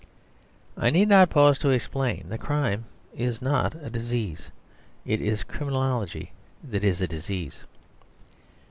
I need not pause to explain that crime is not a disease. It is criminology that is a disease.